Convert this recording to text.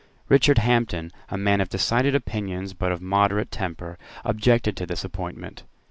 Richard Hampden, a man of decided opinions but of moderate temper, objected to this appointment.